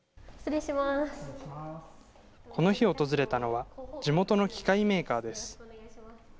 この日訪れたのは、地元の機械メーカーです。